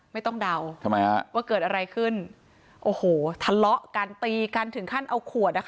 ไม่ต้องเดาว่าเกิดอะไรขึ้นโอ้โหทะเลาะการตีกันถึงขั้นเอาขวด